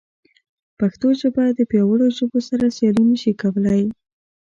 پښتو ژبه د پیاوړو ژبو سره سیالي نه شي کولی.